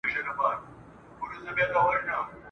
نه پر چا احسان د سوځېدو لري !.